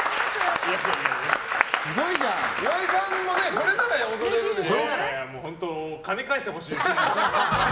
すごい！岩井さんもこれなら踊れるでしょ。